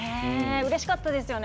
うれしかったですね。